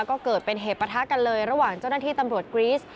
ก็เกิดเป็นเหตุประทะกันเลยระหว่างเจ้าหน้าที่ตำรวจกรีส